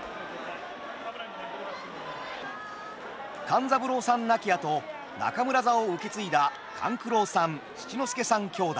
勘三郎さん亡き後中村座を受け継いだ勘九郎さん七之助さん兄弟。